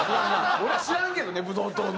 俺ら知らんけどねブドウ糖の。